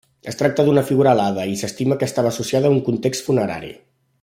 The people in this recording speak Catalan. Es tracta d'una figura alada i s'estima que estava associada a un context funerari.